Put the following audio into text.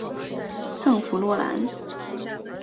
圣弗洛兰。